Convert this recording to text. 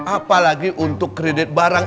apalagi untuk kredit barang